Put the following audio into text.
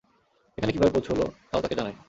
এখানে কিভাবে পৌঁছল তাও তাকে জানায়।